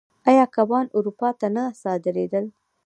آیا کبان اروپا ته نه صادرېدل؟